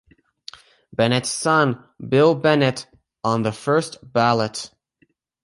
Bennett's son, Bill Bennett, on the first ballot.